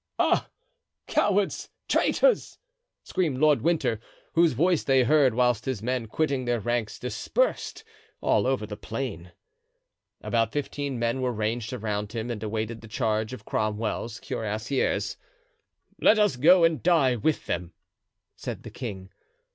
"Ah, cowards! traitors!" screamed Lord Winter, whose voice they heard, whilst his men, quitting their ranks, dispersed all over the plain. About fifteen men were ranged around him and awaited the charge of Cromwell's cuirassiers. "Let us go and die with them!" said the king.